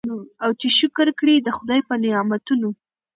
او چي شکر کړي د خدای پر نعمتونو